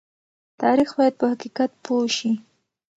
تاریخ باید په حقیقت پوه شي.